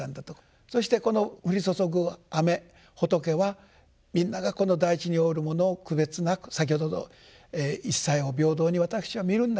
そしてこの降り注ぐ雨仏はみんながこの大地に生うるものを区別なく先ほどの一切を平等に私は見るんだと。